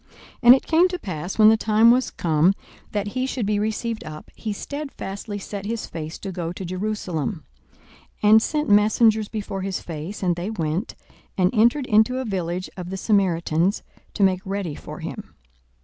42:009:051 And it came to pass, when the time was come that he should be received up, he stedfastly set his face to go to Jerusalem, 42:009:052 And sent messengers before his face: and they went, and entered into a village of the Samaritans, to make ready for him.